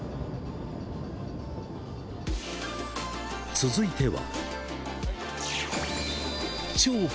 続いては。